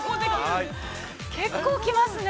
◆結構きますね。